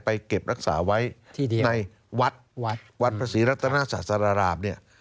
เก็บรักษาไว้ที่ดีในวัดวัดพระศรีรัตนาศาสรรามเนี่ย